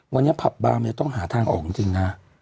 วันนี้พับบ้านมันต้องหาทางออกจริงนะ